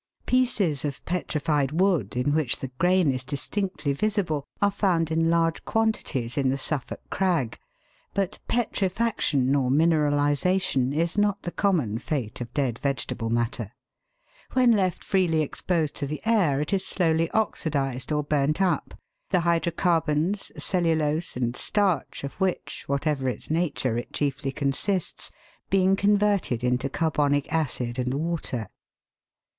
Pieces of petrified wood, in which the grain is distinctly visible, are found in large quantities in the Suffolk Crag, but petrifaction or mineralisation is not the common fate of dead vegetable matter. When left freely exposed to the air, it is slowly oxidised or burnt up, the hydrocarbons, cellulose, and starch of which, whatever its nature, it chiefly consists, being converted into carbonic acid and water.